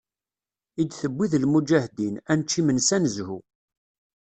I d-tewwi d lmuǧahdin, ad nečč imensi ad nezhu.